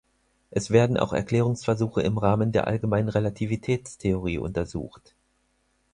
Es werden auch Erklärungsversuche im Rahmen der allgemeinen Relativitätstheorie untersucht.